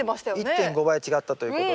１．５倍違ったということで。